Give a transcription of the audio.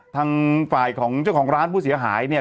ทางฝ่ายของเจ้าของร้านผู้เสียหายเนี่ย